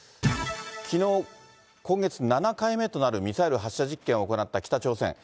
きのう、今月７回目となるミサイル発射実験を行った北朝鮮。